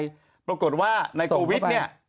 ก็ปรากฏว่าในโตวิด